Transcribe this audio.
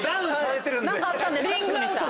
何かあったんですか？